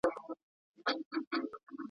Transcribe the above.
ماشوم ته مینه ورکړل شوه.